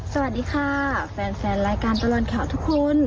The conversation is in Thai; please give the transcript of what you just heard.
สวัสดีค่ะแฟนแฟนรายการตลอดข่าวทุกคน